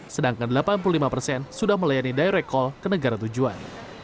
sedangkan delapan puluh lima persen sudah melayani direct call ke negara tujuan